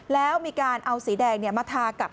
แล้วมีการเอาสีแดงมาทากับ